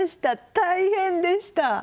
大変でした。